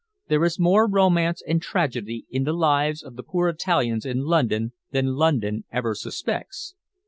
There is more romance and tragedy in the lives of the poor Italians in London than London ever suspects.